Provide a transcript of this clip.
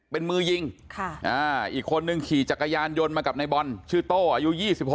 เป็นมือยิงอีกคนนึงขี่จักรยานยนต์มากับในบอลชื่อโต้อายุ๒๖